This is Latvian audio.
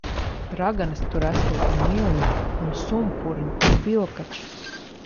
Raganas tur esot un milži. Un sumpurņi un vilkači.